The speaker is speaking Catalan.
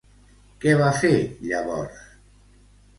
Què va fer, llavors?